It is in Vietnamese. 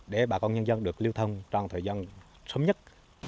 để bà con nhân dân được lưu thông trong thời gian sớm nhất